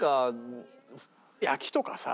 焼きとかさ